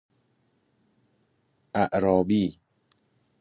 اعرابی